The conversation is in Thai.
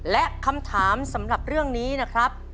และคำถามสำหรับเรื่องนี้นะครับ